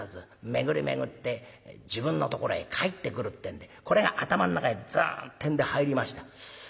巡り巡って自分のところへ返ってくるってんでこれが頭ん中へずんってんで入りました。